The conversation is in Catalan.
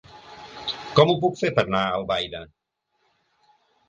Com ho puc fer per anar a Albaida?